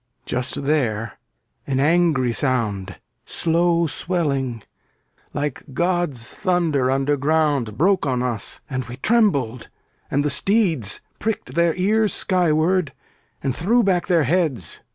Just there an angry sound, Slow swelling, like God's thunder underground Broke on us, and we trembled. And the steeds Pricked their ears skyward, and threw back their heads.